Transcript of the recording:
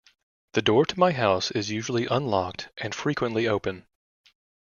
The door to my house is usually unlocked and frequently open.